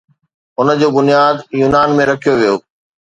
ان جو بنياد يونان ۾ رکيو ويو.